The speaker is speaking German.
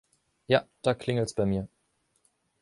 Ja, da klingelt's bei mir.